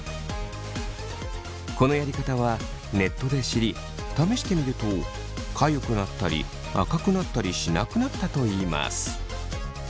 このやり方はネットで知り試してみるとかゆくなったり赤くなったりしなくなったといいます。